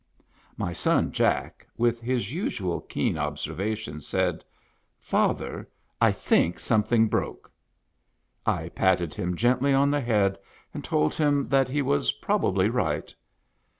My son Jack, with his usual keen observation, said, "Father, I think something broke." I patted him gently on the head, and told him that he was probably right.